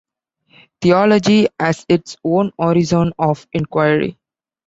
Theology has its own horizon of inquiry.